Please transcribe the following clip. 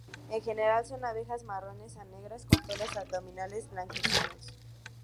En general son abejas marrones a negras con pelos abdominales blanquecinos.